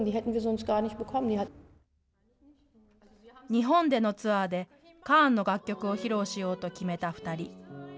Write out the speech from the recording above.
日本でのツアーで、カーンの楽曲を披露しようと決めた２人。